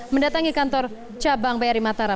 mendatangi kantor cabang bri matara